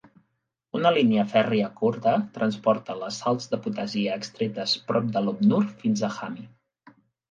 Una línia fèrria curta transporta les salts de potassi extretes prop de Lop Nur fins a Hami.